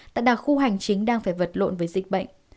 tại đặc khu hành chính đang phải vật lộn với dịch bệnh